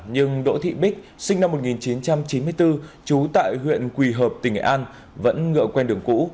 nhưng đỗ thị bích sinh năm một nghìn chín trăm chín mươi bốn trú tại huyện quỳ hợp tỉnh nghệ an vẫn ngựa quen đường cũ